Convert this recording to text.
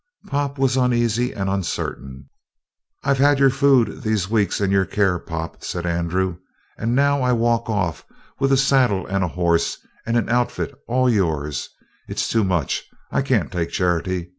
Pop was uneasy and uncertain. "I've had your food these weeks and your care, Pop," said Andrew, "and now I walk off with a saddle and a horse and an outfit all yours. It's too much. I can't take charity.